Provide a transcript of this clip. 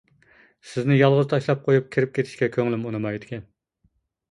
-سىزنى يالغۇز تاشلاپ قويۇپ كىرىپ كېتىشكە كۆڭلۈم ئۇنىمايدىكەن.